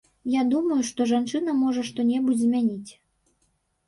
Я думаю, што жанчына можа што-небудзь змяніць.